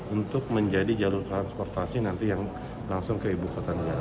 untuk menjadi jalur transportasi nanti yang langsung ke ibu kota negara